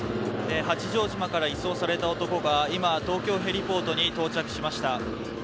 八丈島から移送された男が今、東京ヘリポートに到着しました。